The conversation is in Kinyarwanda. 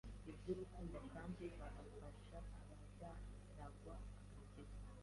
bw’urukundo kandi bagafasha abazaragwa agakiza.